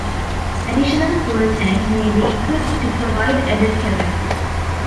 Additional fuel tanks may be equipped to provide added capacity.